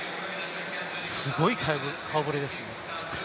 すごい顔ぶれですね。